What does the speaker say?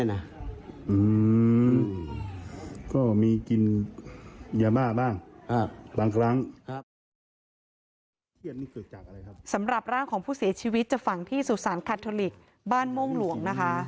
อืมก็มีกินเยอะมากบ้างบางครั้ง